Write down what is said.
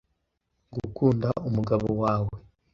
Gukunda umugabo wawe